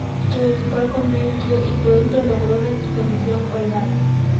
Se dedicó al comercio, y pronto logró una posición holgada.